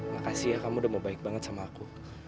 makasih ya kamu udah mau baik banget sama aku